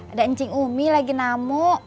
ada encing umi lagi namu